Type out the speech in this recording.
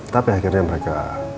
tapi akhirnya mereka